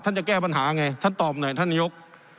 จะแก้ปัญหาไงท่านตอบหน่อยท่านนายก